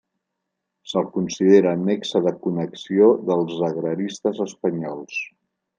Se'l considera nexe de connexió dels agraristes espanyols.